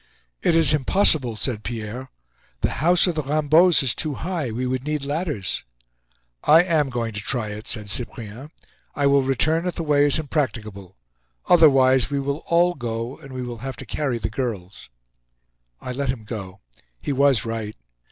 "It is impossible," said Pierre. "The house of the Raimbeaus is too high; we would need ladders." "I am going to try it," said Cyprien. "I will return if the way is impracticable. Otherwise, we will all go and we will have to carry the girls." I let him go. He was right.